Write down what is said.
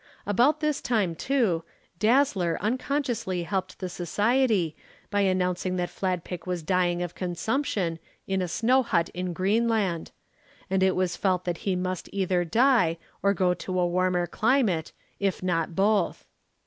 About this time, too, Dazzler unconsciously helped the Society by announcing that Fladpick was dying of consumption in a snow hut in Greenland, and it was felt that he must either die or go to a warmer climate, if not both.